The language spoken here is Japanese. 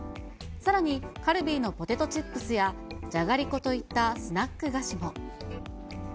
さらにカルビーのポテトチップスや、じゃがりこといったスナック菓子も。